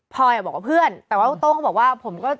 พอยอ่ะบอกว่าเพื่อนแต่ว่าโต้งก็บอกว่าผมก็